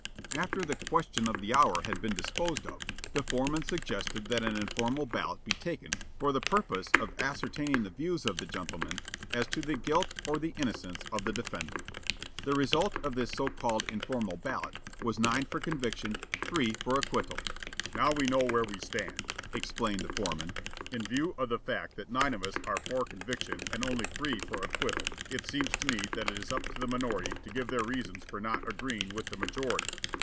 After the question of the hour had been disposed of, the foreman suggested that an informal ballot be taken for the purpose of ascertaining the views of the gentlemen as to the guilt or the innocence of the defendant. The result of this so called informal ballot was nine for conviction, three for acquittal. "Now we know where we stand," explained the foreman. "In view of the fact that nine of us are for conviction and only three for acquittal it seems to me that it is up to the minority to give their reasons for not agreeing with the majority.